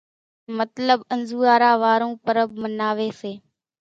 مطلٻ انزوئارا وارون پرٻ مناوي سي۔